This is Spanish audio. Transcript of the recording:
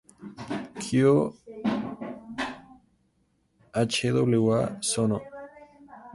Kyo-hwa-so No.